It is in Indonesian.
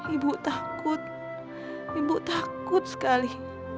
ibu takut ibu takut sekali